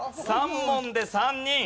３問で３人。